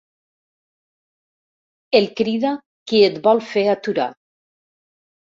El crida qui et vol fer aturar.